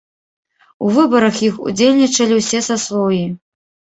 У выбарах іх удзельнічалі ўсе саслоўі.